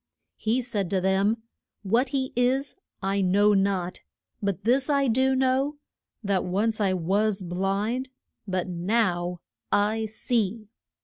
He said to them, What he is I know not; but this I do know, that once I was blind, but now I see.